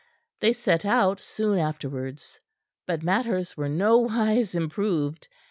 They set out soon afterwards. But matters were nowise improved.